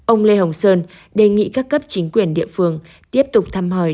ông lê hồng sơn đề nghị các cấp chính quyền địa phương tiếp tục thăm hỏi